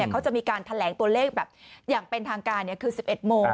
เขาจะมีการแถลงตัวเลขแบบอย่างเป็นทางการคือ๑๑โมง